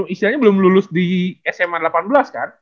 istilahnya belum lulus di sma delapan belas kan